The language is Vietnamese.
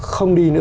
không đi nữa